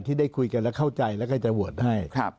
ที่ได้คุยกันและเข้าใจแล้วก็จะโหวตให้